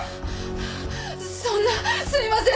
そんなすいません